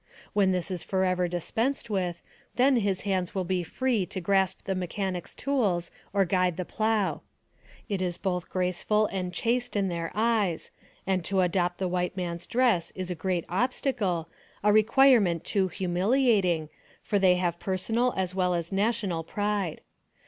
When this is forever dispensed with, then his hands will be free to grasp the mechanic's tools or guide the plow. It is both graceful and chaste in their eyes, and to adopt the white man's dress is a great obstacle, a requirement too humiliating, for they have personal as well as national pride.